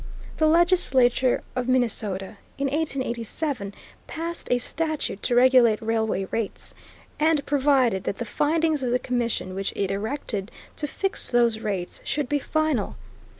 The legislature of Minnesota, in 1887, passed a statute to regulate railway rates, and provided that the findings of the commission which it erected to fix those rates should be final.